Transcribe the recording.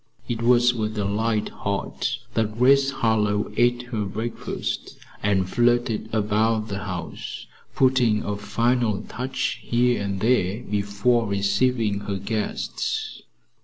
It was with a light heart that Grace Harlowe ate her breakfast and flitted about the house, putting a final touch here and there before receiving her guests.